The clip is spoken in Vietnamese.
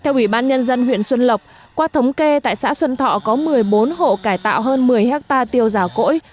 theo ủy ban nhân dân huyện xuân lộc qua thống kê tại xã xuân thọ có một mươi bốn hộ cải tạo hơn một mươi hectare tiêu già cỗi